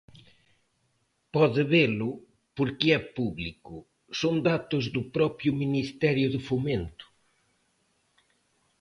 Pode velo porque é público, son datos do propio Ministerio de Fomento.